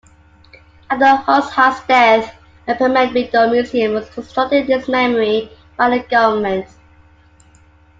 After Hoxha's death, a pyramidal museum was constructed in his memory by the government.